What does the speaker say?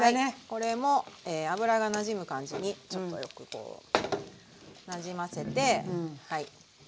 これもえ油がなじむ感じにちょっとよくこうなじませてはい。